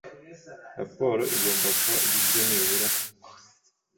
raporo igomba kuba igizwe nibura n’ibikurikira.